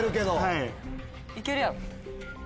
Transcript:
いけるやろ。